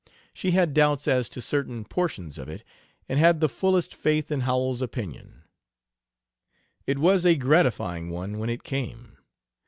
She had doubts as to certain portions of it, and had the fullest faith in Howells's opinion. It was a gratifying one when it came.